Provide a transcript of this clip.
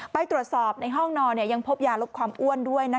ไปตรวจสอบในห้องนอนยังพบยาลดความอ้วนด้วย